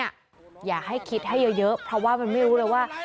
อย่าให้คิดให้เยอะเพราะว่ามันไม่รู้เลยว่า